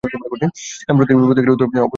প্রতীক ।এর অবস্থান উত্তর গোলার্ধের আকাশে।